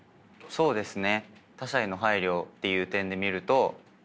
そうですよね。